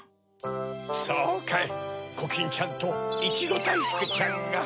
そうかいコキンちゃんといちごだいふくちゃんが。